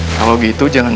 akumoaled di tempat ini